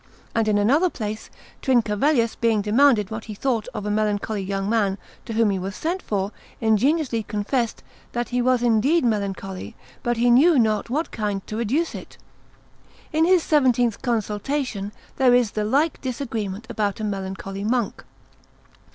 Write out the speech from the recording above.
And in another place, Trincavellius being demanded what he thought of a melancholy young man to whom he was sent for, ingenuously confessed that he was indeed melancholy, but he knew not to what kind to reduce it. In his seventeenth consultation there is the like disagreement about a melancholy monk.